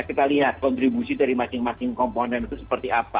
kita lihat kontribusi dari masing masing komponen itu seperti apa